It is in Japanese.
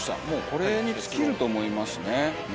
もうこれに尽きると思いますね。